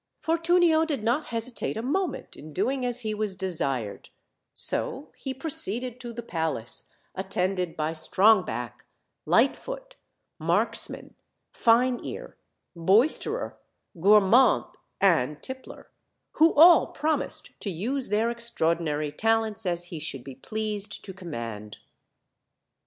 Fortunio did not hesitate a moment in doing as he was desired; so he proceeded to the palace, attended by Strongback, Lightfoot, Marksman, Fine ear, Boisterer, Gormand, and Tippler, who all promised to use their ex traordinary talents as he should be pleased to command.